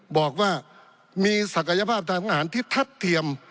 บอกว่ามีศักยภาพทางทหารที่ทัดเทียม